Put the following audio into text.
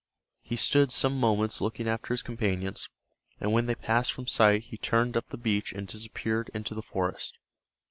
He stood some moments looking after his companions, and when they passed from sight he turned up the beach and disappeared into the forest.